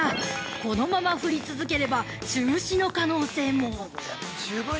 このまま降り続ければ中止の可能性も！